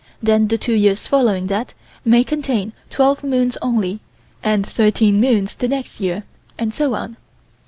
Then the two years following that may contain twelve moons only, and thirteen moons the next year, and so on.